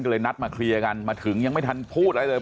ก็เลยนัดมาเคลียร์กันมาถึงยังไม่ทันพูดอะไรเลย